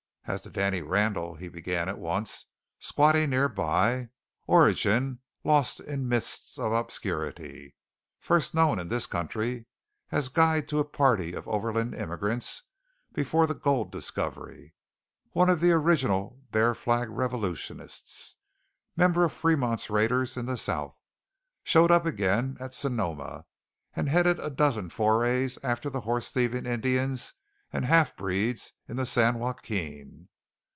"As to Danny Randall," he began at once, squatting near by: "Origin lost in mists of obscurity. First known in this country as guide to a party of overland immigrants before the gold discovery. One of the original Bear Flag revolutionists. Member of Fremont's raiders in the south. Showed up again at Sonoma and headed a dozen forays after the horse thieving Indians and half breeds in the San Joaquin.